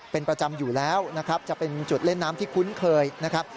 เป็นประจำอยู่แล้วนะครับจะเป็นจุดเล่นน้ำที่คุ้นเคยนะครับ